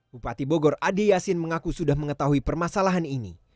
bupati bogor adi yasin mengaku sudah mengetahui permasalahan ini